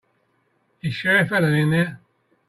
Is Sheriff Helen in there?